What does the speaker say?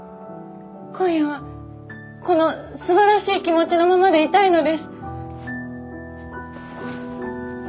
今夜はこのすばらしい気持ちのままでいたいのです。